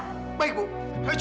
cepat keluar rizky